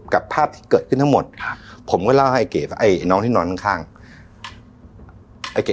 กับภาพที่เกิดขึ้นทั้งหมดผมก็เล่าให้เก๋ว่าไอ้น้องที่นอนข้างไอ้เก๋